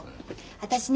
私ね